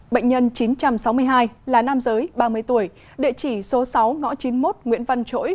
bệnh nhân chín trăm sáu mươi hai là nam giới ba mươi tuổi địa chỉ số sáu ngõ chín mươi một nguyễn văn chỗi